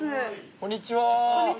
こんにちは。